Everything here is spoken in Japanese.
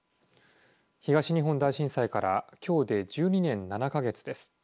東日本大震災からきょうで１２年７か月です。